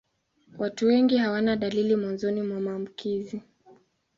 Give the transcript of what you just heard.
Watu wengi hawana dalili mwanzoni mwa maambukizi.